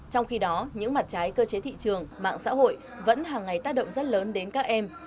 trong khi đó những mặt trái cơ chế thị trường mạng xã hội vẫn hàng ngày tác động rất lớn đến các em